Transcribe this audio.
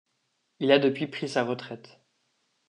Il a depuis pris sa retraite.